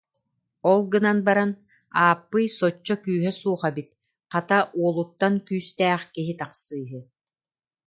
Ол гынан баран: «Ааппый соччо күүһэ суох эбит, хата, уолуттан күүстээх киһи тахсыыһы»